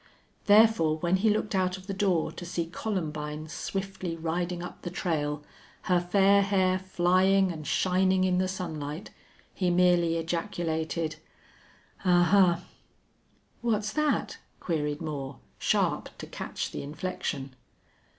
Therefore, when he looked out of the door to see Columbine swiftly riding up the trail, her fair hair flying and shining in the sunlight, he merely ejaculated, "Ahuh!" "What's that?" queried Moore, sharp to catch the inflection.